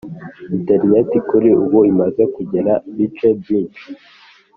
interineti kuri ubu imaze kugera bice byinshi